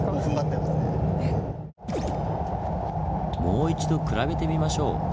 もう一度比べてみましょう。